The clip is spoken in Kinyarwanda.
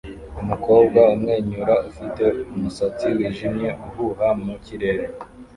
Umukobwa umwenyura ufite umusatsi wijimye uhuha mu kirere